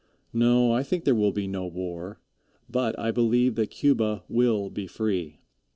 No, I think there will be no war, but I believe that Cuba will be free.